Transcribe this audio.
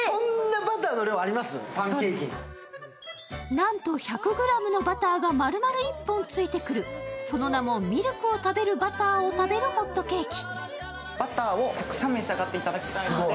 なんと１００ｇのバターが丸々１本ついてくる、その名も、ミルクを食べるバターを食べるホットケーキ。